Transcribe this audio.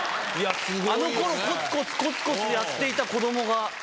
あの頃コツコツコツコツやっていた子どもが。